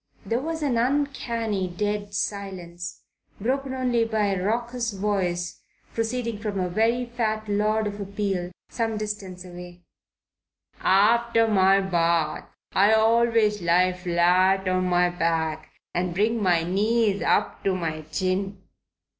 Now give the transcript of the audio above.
There was an uncanny, dead silence, broken only by a raucous voice proceeding from a very fat Lord of Appeal some distance away: "After my bath I always lie flat on my back and bring my knees up to my chin."